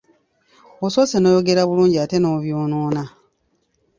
Osoose n'oyogera bulungi ate n'obyonoona.